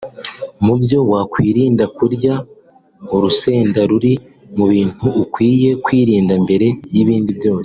Mu byo wakwirinda kurya; Urusenda ruri mu bintu ukwiye kwirinda mbere y’ibindi byose